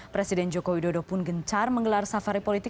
presiden jokowi dodo pun gencar menggelar safari politik